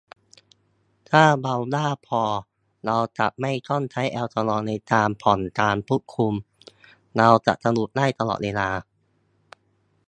ถ้าเราบ้าพอ เราจะไม่ต้องใช้แอลกอฮอล์ในการผ่อนการควบคุม เราจะสนุกได้ตลอดเวลา